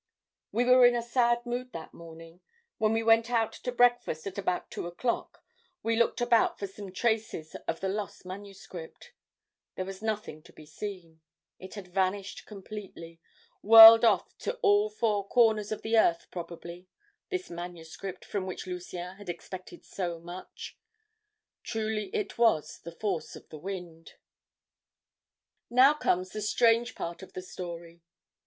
"We were in a sad mood that morning. When we went out to breakfast at about two o'clock, we looked about for some traces of the lost manuscript. "There was nothing to be seen. It had vanished completely, whirled off to all four corners of the earth probably, this manuscript from which Lucien had expected so much. Truly it was 'The Force of the Wind.' ..... "Now comes the strange part of the story.